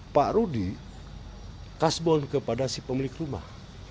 pak rudi kasbon kepada si pemilik rumah